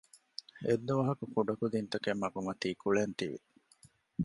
އެއްދުވަހަކު ކުޑަކުދީންތަކެއް މަގުމަތީ ކުޅޭން ތިވި